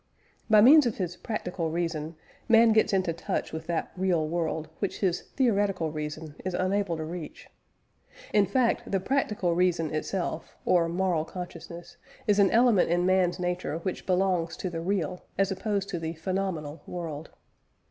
By means of his "practical reason," man gets into touch with that real world, which his "theoretical reason" is unable to reach. In fact, the "practical reason" itself (or moral consciousness) is an element in man's nature which belongs to the real, as opposed to the phenomenal world.